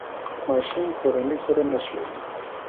ماشوم کورنۍ سره نښلوي.